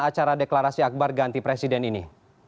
acara deklarasi akbar ganti presiden ini